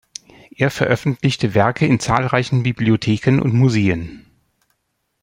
Er veröffentlichte Werke in zahlreichen Bibliotheken und Museen.